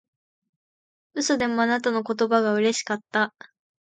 嘘でもあなたの言葉がうれしかった